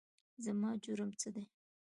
زما جرم څه دی ؟؟